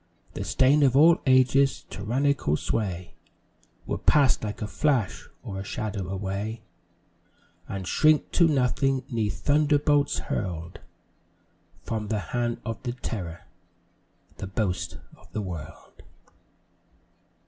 The stain of all ages, tyrannical sway, Will pass like a flash or a shadow away, And shrink to nothing 'neath thunderbolts hurl'd From the hand of the terror the boast of the world.